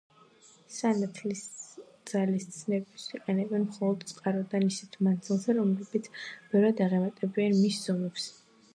სინათლის ძალის ცნებას იყენებენ მხოლოდ წყაროდან ისეთ მანძილზე, რომლებიც ბევრად აღემატებიან მის ზომებს.